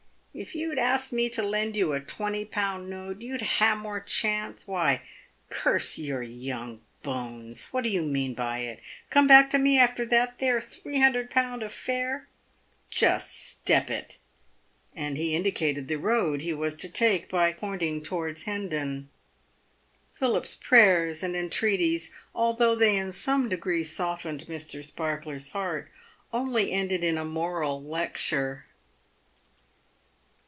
" If you'd asked me to lend you a twenty pound note, you'd ha' had more chance. "Why, curse your young bones ! what do you mean by it ? Come back to me after that there three hundred pound affair ? Just step it," and he indicated the road he was to take by pointing to wards Hendon. Philip's prayers and entreaties, although they in some degree softened Mr. Sparkler's heart, only ended in a moral lecture.